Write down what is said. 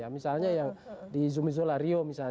misalnya yang di zumi zola rio misalnya